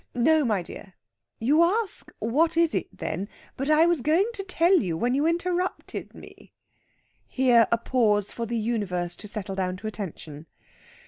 No, my dear. You ask, 'What is it, then?' But I was going to tell you when you interrupted me." Here a pause for the Universe to settle down to attention.